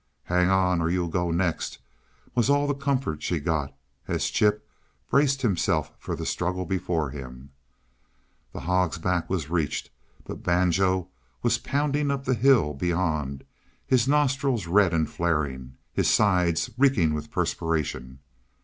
"Hang on or you'll go next," was all the comfort she got, as Chip braced himself for the struggle before him. The Hog's Back was reached, but Banjo was pounding up the hill beyond, his nostrils red and flaring, his sides reeking with perspiration.